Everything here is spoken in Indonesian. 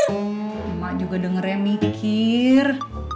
hmm emak juga denger ya mikir